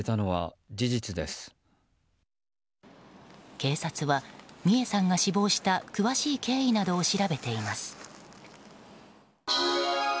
警察は、美恵さんが死亡した詳しい経緯などを調べています。